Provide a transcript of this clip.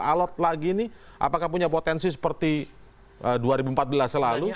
alot lagi ini apakah punya potensi seperti dua ribu empat belas lalu